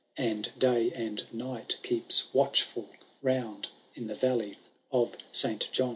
And day and nig^t keeps watchfitl round In the Valley of Saint John.